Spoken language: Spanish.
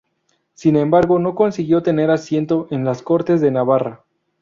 Sin embargo no consiguió tener asiento en las Cortes de Navarra.